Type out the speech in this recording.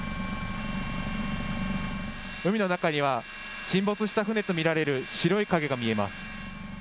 海の中には、沈没した船と見られる白い影が見えます。